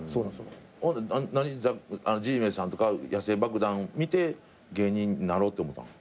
じゃあＧ★ＭＥＮＳさんとか野性爆弾見て芸人になろうって思ったの？